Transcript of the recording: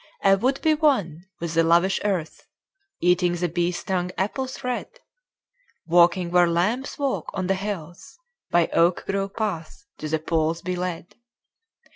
I would be one with the lavish earth, Eating the bee stung apples red: Walking where lambs walk on the hills; By oak grove paths to the pools be led.